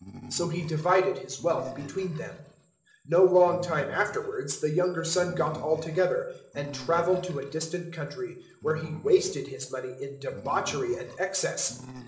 "So he divided his wealth between them. 015:013 No long time afterwards the younger son got all together and travelled to a distant country, where he wasted his money in debauchery and excess.